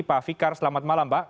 pak fikar selamat malam pak